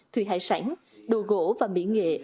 thùy hải sản đồ gỗ và mỹ nghệ